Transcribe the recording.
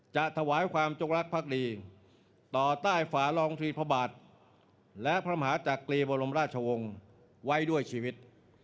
จะถวายความจงรักภักดีต่อใต้ฝารองทรีพระบาทและพระมหาจักรีบรมราชวงศ์ไว้ด้วยชีวิต